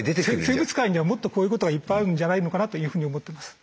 生物界にはもっとこういうことがいっぱいあるんじゃないのかなというふうに思ってます。